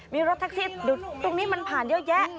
มีรถแท็กซี่ตรงนี้มันผ่านเยอะแยะ